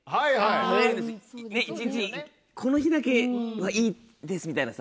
１日この日だけはいいですみたいなさ。